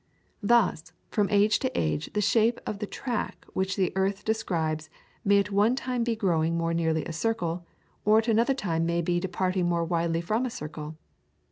Thus, from age to age the shape of the track which the earth describes may at one time be growing more nearly a circle, or at another time may be departing more widely from a circle.